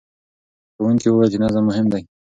ښوونکي وویل چې نظم مهم دی.